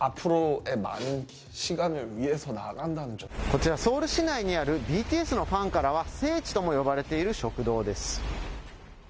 こちらソウル市内にあるＢＴＳのファンからは聖地とも呼ばれている食堂です。